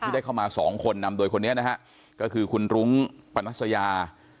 ได้เข้ามาสองคนนำโดยคนนี้นะฮะก็คือคุณรุ้งปนัสยา